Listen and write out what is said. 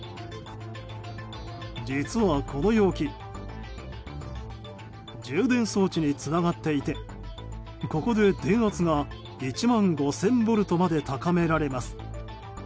実は、この容器充電装置につながっていてここで電圧が１万５０００ボルトまで高められます。